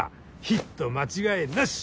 ヒット間違いなし。